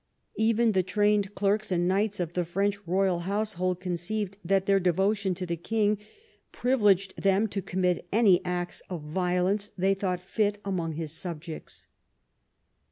Even the trained clerks and knights of the French royal household conceived that their devotion to the king privileged them to commit any acts of violence they thought fit among his subjects.